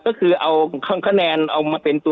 ก็คือเอาขั้นแผนเอามาเป็นวัด